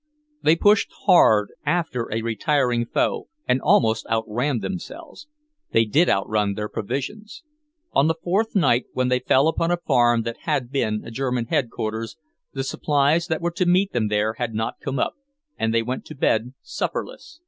They pushed hard after a retiring foe, and almost outran themselves. They did outrun their provisions; on the fourth night, when they fell upon a farm that had been a German Headquarters, the supplies that were to meet them there had not come up, and they went to bed supperless.